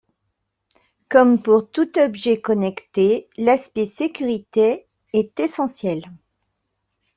Comme pour tout objet connecté, l'aspect sécurité est essentiel.